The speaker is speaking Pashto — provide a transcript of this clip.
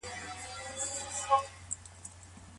کلسترول د بدن طبیعي غوړ دی.